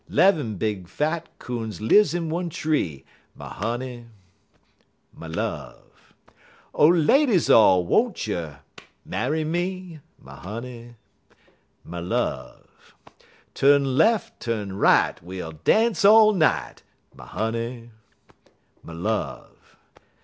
'Lev'm big fat coons lives in one tree, My honey, my love! Oh, ladies all, won't you marry me? My honey, my love! Tu'n lef', tu'n right, we 'ull dance all night, My honey, my love!